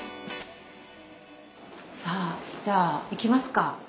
さあじゃあいきますか。